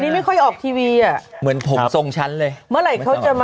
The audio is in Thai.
ไม่บอกเจนนี้เลย